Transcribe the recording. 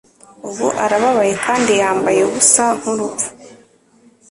ubu arababaye kandi yambaye ubusa nkurupfu